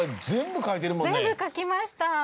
全部書きました。